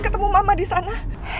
ketemu mama disana